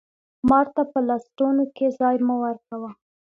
مار ته په لستوڼي کښي ځای مه ورکوه